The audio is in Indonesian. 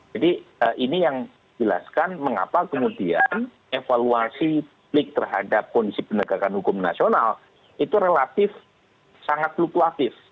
jadi ini yang jelaskan mengapa kemudian evaluasi publik terhadap kondisi penegakan hukum nasional itu relatif sangat fluktuatif